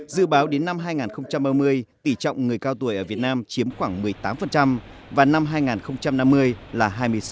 dự báo đến năm hai nghìn ba mươi tỷ trọng người cao tuổi ở việt nam chiếm khoảng một mươi tám và năm hai nghìn năm mươi là hai mươi sáu